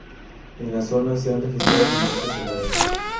En la zona se han registrado numerosas heladas.